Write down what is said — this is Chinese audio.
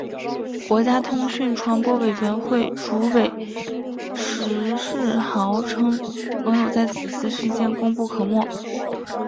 国家通讯传播委员会主委石世豪称网友在此事件功不可没。